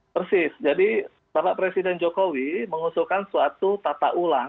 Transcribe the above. persis jadi bapak presiden jokowi mengusulkan suatu tata ulang